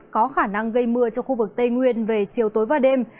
có khả năng gây mưa cho khu vực tây nguyên về chiều tối và đêm